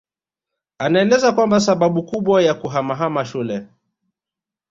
Anaeleza kwamba sababu kubwa ya kuhamahama shule